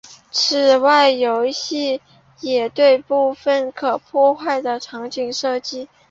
此外游戏也有部分可破坏的场景设计。